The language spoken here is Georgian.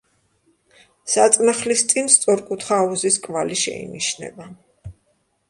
საწნახლის წინ სწორკუთხა აუზის კვალი შეინიშნება.